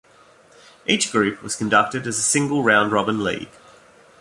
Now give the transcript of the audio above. Each group was conducted as a single round-robin league.